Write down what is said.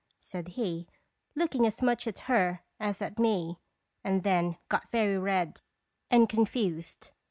said he, looking as much at her as at me, and then got very red and confused.